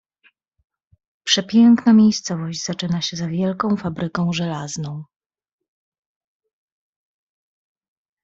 "Przepiękna miejscowość zaczyna się za wielką fabryką żelazną."